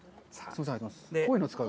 こういうのを使う？